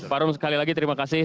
pak rum sekali lagi terima kasih